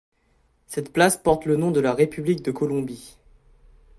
Cette place porte le nom de la république de Colombie.